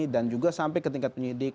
dan juga sampai ke tingkat penyidik